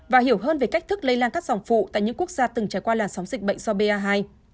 và hiểu hơn về cách thức lây lan các dòng phụ tại những quốc gia từng trải qua làn sóng dịch bệnh do ba hai